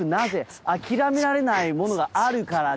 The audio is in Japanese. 諦められないものがあるからだぜ！